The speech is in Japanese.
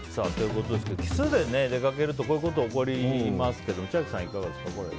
奇数で出かけるとこういうことが起こりますけど千秋さん、いかがですか？